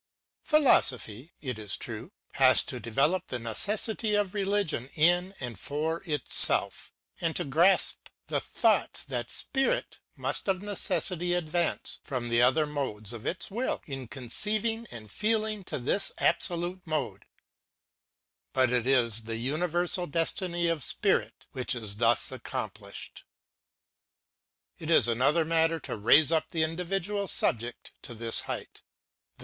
Philosophy, it is true, has to develop the necessity of religion in and for itself, and to grasp the thought that Spirit must of necessity advance from the other modes of its will in conceiving and feeling to this absolute mode ; but it is the universal destiny of Spirit which is thus accomplished. It is another matter to raise up the individual subject to this height. The.